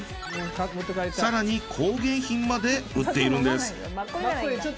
更に工芸品まで売っているんです。